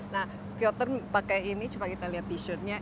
nah filtern pakai ini coba kita lihat t shirtnya